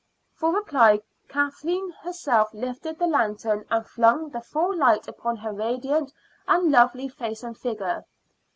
For reply Kathleen herself lifted the lantern and flung the full light upon her radiant and lovely face and figure.